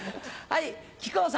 はい。